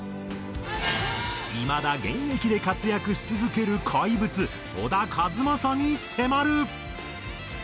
いまだ現役で活躍し続ける怪物小田和正に迫る！